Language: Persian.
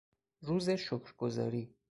روز شگرگزاری